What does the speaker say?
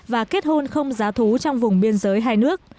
và kết hôn không giá thú trong vùng biên giới hai nước